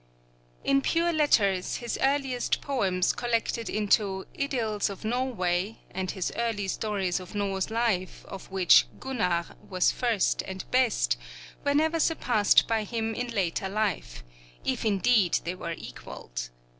In pure letters, his earliest poems collected into 'Idyls of Norway,' and his early stories of Norse life, of which 'Gunnar' was first and best, were never surpassed by him in later life, if indeed they were equaled.